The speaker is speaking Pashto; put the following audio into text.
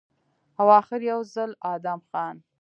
او اخر يو ځل ادم خان